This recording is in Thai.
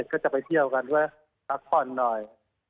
ก็จะไปเที่ยวกันด้วยสักพันธุ์หน่อย